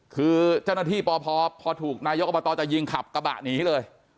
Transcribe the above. คือเจ้าหน้าที่ปพพอถูกนายกอบตจะยิงขับกระบะหนีเลย